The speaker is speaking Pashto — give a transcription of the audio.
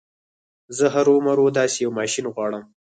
زه هرو مرو داسې يو ماشين غواړم.